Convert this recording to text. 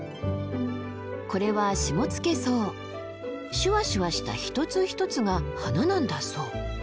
これはシュワシュワした一つ一つが花なんだそう。